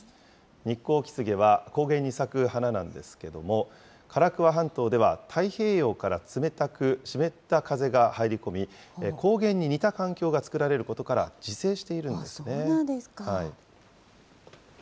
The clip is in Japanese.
ニッコウキスゲは高原に咲く花なんですけれども、唐桑半島では太平洋から冷たく湿った風が入り込み、高原に似た環境が作られることから自生しているんですね。